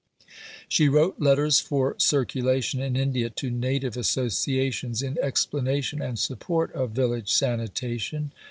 She wrote letters for circulation in India to Native Associations in explanation and support of Village Sanitation.